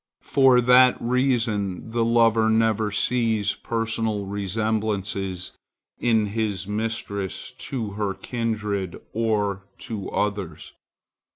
For that reason the lover never sees personal resemblances in his mistress to her kindred or to others.